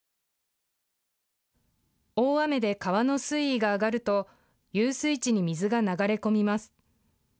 大雨で川の水位が上がると遊水地に水が流れ込みます。